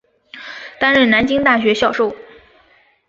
担任南京大学教授。